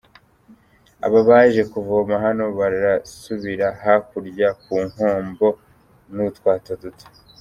Aba baje kuvoma hano barasubira hakurya ku Nkombo n’utwato duto.